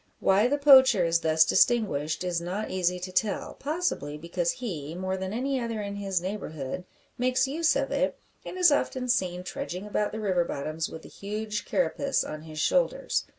Why the poacher is thus distinguished it is not easy to tell; possibly because he, more than any other in his neighbourhood, makes use of it, and is often seen trudging about the river bottoms with the huge carapace on his shoulders.